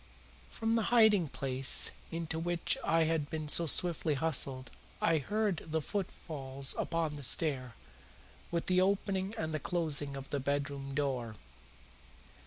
From the hiding place into which I had been so swiftly hustled I heard the footfalls upon the stair, with the opening and the closing of the bedroom door.